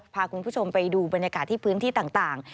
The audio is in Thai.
พาคุณผู้ชมไปดูบรรยากาศที่พื้นที่ต่าง